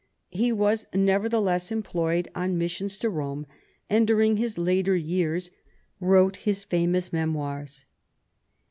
He was nevertheless employed on missions to Rome, and during his later years wrote his famous memoirs.